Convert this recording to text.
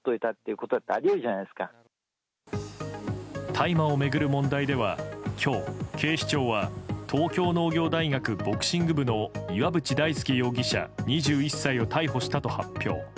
大麻を巡る問題では今日、警視庁は東京農業大学ボクシング部の岩渕大輔容疑者、２１歳を逮捕したと発表。